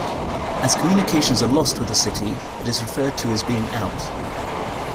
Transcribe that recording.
As communications are lost with a city, it is referred to as being out.